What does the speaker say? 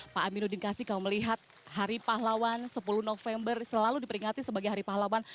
pak aminuddin kasti kalau melihat hari pahlawan sepuluh november selalu diperingati sebagai hari pahlawan